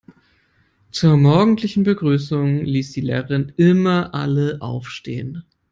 Zur morgendlichen Begrüßung ließ die Lehrerin immer alle aufstehen.